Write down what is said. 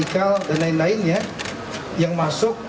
ikal dan lain lainnya yang masuk